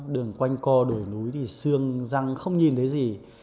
đường quanh co đồi núi thì sương răng không nhìn thấy gì